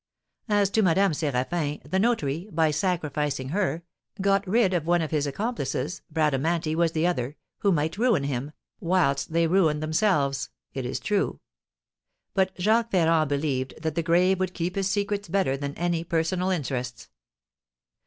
As to Madame Séraphin, the notary, by sacrificing her, got rid of one of his accomplices (Bradamanti was the other), who might ruin him, whilst they ruined themselves, it is true; but Jacques Ferrand believed that the grave would keep his secrets better than any personal interests.